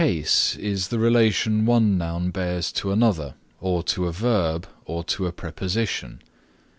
Case is the relation one noun bears to another or to a verb or to a preposition.